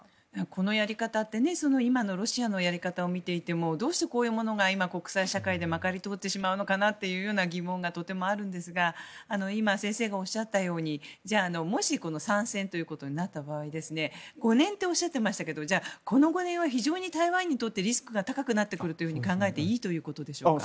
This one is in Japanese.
このやり方って今のロシアのやり方を見ていてもどうしてこういうものが国際社会でまかり通ってしまうのかという疑問がとてもあるんですが今、先生がおっしゃったようにもし３選となった場合５年とおっしゃってましたがこの５年は非常に台湾にとってリスクが高くなるというふうに考えていいということでしょうか。